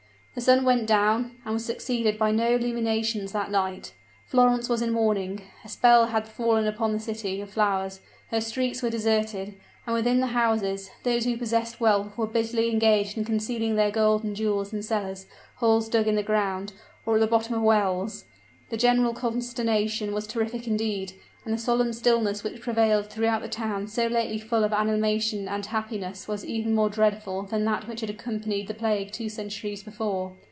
The sun went down, and was succeeded by no illuminations that night. Florence was in mourning. A spell had fallen upon the City of Flowers; her streets were deserted; and within the houses, those who possessed wealth were busily engaged in concealing their gold and jewels in cellars, holes dug in the ground, or at the bottom of wells. The general consternation was terrific indeed; and the solemn stillness which prevailed throughout the town so lately full of animation and happiness was even more dreadful than that which had accompanied the plague two centuries before.